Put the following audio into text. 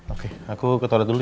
oke aku ke toilet dulu